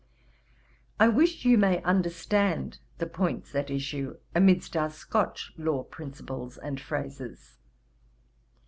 I wish you may understand the points at issue, amidst our Scotch law principles and phrases.